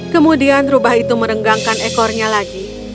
kemudian rubah itu merenggangkan ekornya lagi